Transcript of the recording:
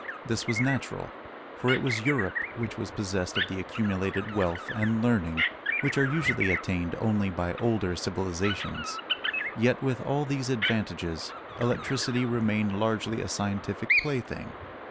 This was natural, for it was Europe which was possessed of the accumulated wealth and learning which are usually attained only by older civilizations. Yet, with all these advantages, electricity remained largely a scientific plaything.